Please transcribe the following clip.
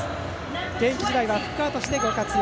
現役時代はフッカーとしてご活躍。